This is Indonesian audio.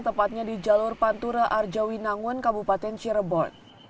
tepatnya di jalur pantura arjawi nangun kabupaten cirebon